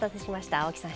青木さん